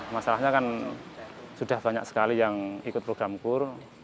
masalahnya kan sudah banyak sekali yang ikut program kur